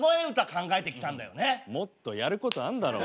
もっとやることあんだろ。